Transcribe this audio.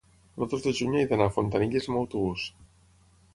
el dos de juny he d'anar a Fontanilles amb autobús.